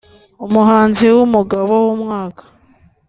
Umuhanzi w'umugabo w'umwaka